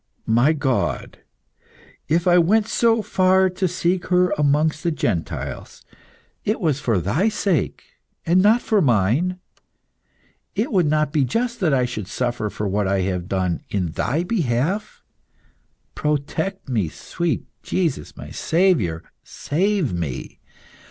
"My God, if I went so far to seek her amongst the Gentiles, it was for Thy sake, and not for mine. It would not be just that I should suffer for what I have done in Thy behalf. Protect me, sweet Jesus! My Saviour, save me!